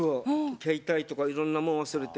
携帯とかいろんなもん忘れて。